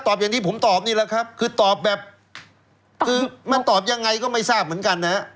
อย่างที่ผมตอบนี่แหละครับคือตอบแบบคือมันตอบยังไงก็ไม่ทราบเหมือนกันนะฮะ